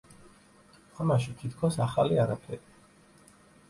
ამაში თითქოს ახალი არაფერია.